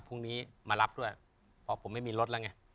พรุ่งนี้มารับด้วยเพราะผมไม่มีรถแล้วไง